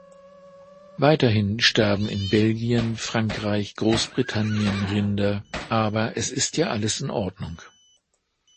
Weiterhin sterben in Belgien, Frankreich, Großbritannien Rinder, aber es ist ja alles in Ordnung.